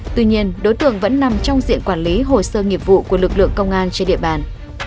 tuy nhiên đối tượng vẫn nằm trong diện quản lý hồ sơ nghiệp vụ của lực lượng công an trên địa bàn